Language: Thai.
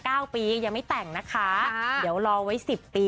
เก้าปียังไม่แต่งนะคะเดี๋ยวรอไว้สิบปี